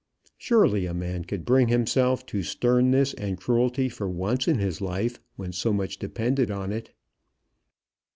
Surely a man could bring himself to sternness and cruelty for once in his life, when so much depended on it.